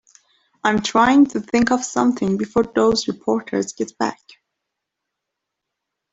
I'm trying to think of something before those reporters get back.